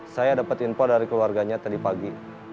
saya dapat info dari keluarganya tadi pagi